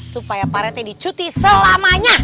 supaya pak rete dicuti selamanya